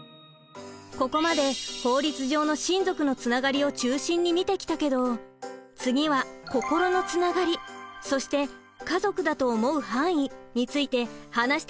ここまで法律上の親族のつながりを中心に見てきたけど次は心のつながりそして家族だと思う範囲について話していくわよ。